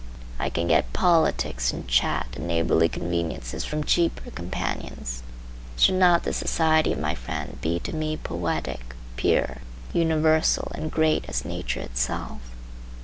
I can get politics and chat and neighborly conveniences from cheaper companions. Should not the society of my friend be to me poetic, pure, universal and great as nature itself?